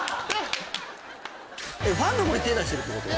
えっファンの子に手出してるってこと？